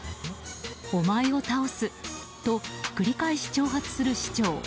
お前を倒すと繰り返し挑発する市長。